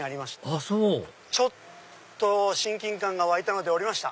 あそうちょっと親近感が湧いたので降りました。